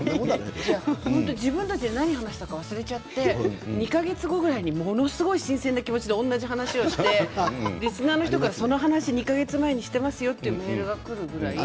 自分たちで何を話しているか忘れてしまって２か月後ぐらいにものすごく新鮮な気持ちで同じ話をして、リスナーの人からその話はしていますよということを言われるぐらい。